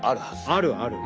あるある。